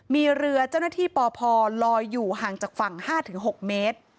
มีเรือเจ้าหน้าที่ปพลอยอยู่ห่างจากฝั่ง๕๖เมตร